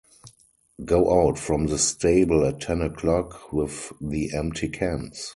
Go out from the stable at ten o'clock with the empty cans.